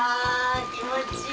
気持ちいい。